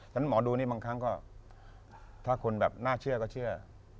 ฉะหมอดูนี่บางครั้งก็ถ้าคนแบบน่าเชื่อก็เชื่อ